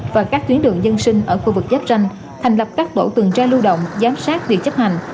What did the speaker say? và các tuyến đường dân sinh ở khu vực giáp ranh thành lập các tổ tuần tra lưu động giám sát việc chấp hành